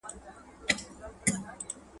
کینه د ناروا اعمالو لامل کیږي.